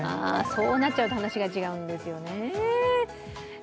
そうなっちゃうと話が違うんですよね。